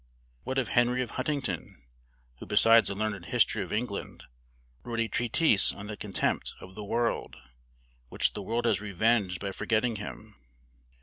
What of Henry of Huntingdon, who, besides a learned history of England, wrote a treatise on the contempt of the world, which the world has revenged by forgetting him?